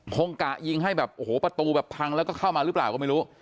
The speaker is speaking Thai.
กะยิงให้แบบโอ้โหประตูแบบพังแล้วก็เข้ามาหรือเปล่าก็ไม่รู้